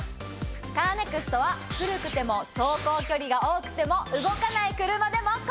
カーネクストは古くても走行距離が多くても動かない車でも。